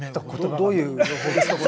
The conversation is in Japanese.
どういう療法ですか？